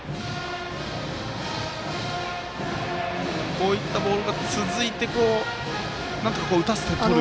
こういったボールが続いて打たせてとる？